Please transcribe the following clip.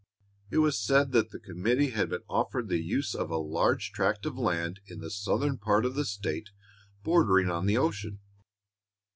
It was said that the committee had been offered the use of a large tract of land in the southern part of the State bordering on the ocean.